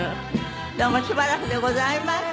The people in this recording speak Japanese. どうもしばらくでございました。